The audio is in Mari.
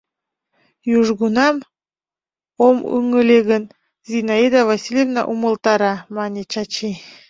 Южгунам, ом ыҥыле гын, Зинаида Васильевна умылтара, — мане Чачи.